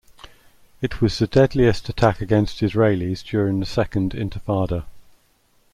It was the deadliest attack against Israelis during the Second Intifada.